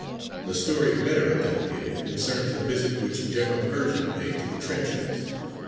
A story better authenticated concerns a visit which General Pershing paid to the trenches.